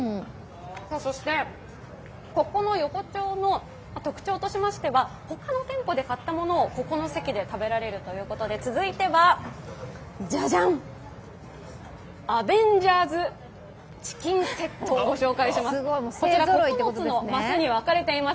そして、ここの横丁の特徴としましては他の店舗で買った物をここの席で食べられるということで続いては、じゃじゃん、アベンジャーズチキンセットをご紹介します。